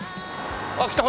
あっ来た！